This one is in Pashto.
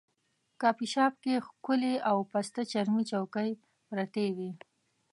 کافي شاپ کې ښکلې او پسته چرمي چوکۍ پرتې وې.